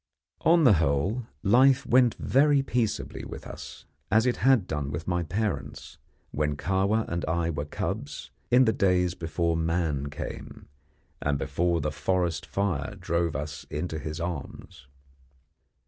On the whole, life went very peaceably with us, as it had done with my parents when Kahwa and I were cubs in the days before man came, and before the forest fire drove us into his arms.